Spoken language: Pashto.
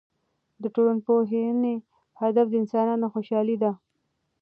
د ټولنپوهنې هدف د انسانانو خوشحالي ده.